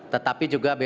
tetapi juga bumn